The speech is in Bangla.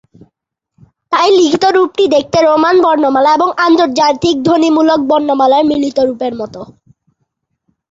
তাই লিখিত রূপটি দেখতে রোমান বর্ণমালা এবং আন্তর্জাতিক ধ্বনিমূলক বর্ণমালার মিলিত রূপের মতো।